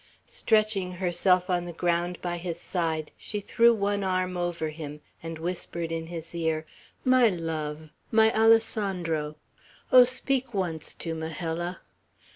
Stretching herself on the ground by his side, she threw one arm over him, and whispered in his ear, "My love, my Alessandro! Oh, speak once to Majella!